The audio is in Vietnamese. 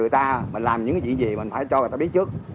ta mình làm những gì gì mình phải cho người ta biết trước